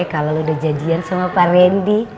kalo lu udah jadian sama pak rendi